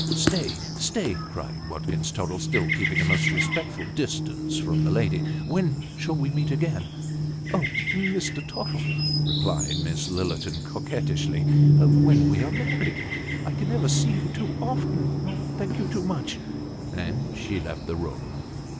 " Stay stay," cried Watkins Tottle, still keeping a most respectful distance from the lady ;" w' "n shall we meet again ?"" Oh ! Mr. Tottle," replied Miss Lillerton, coquettishly, " when toe are married, I can never see you too often, nor thank you too much ;" and she left the room.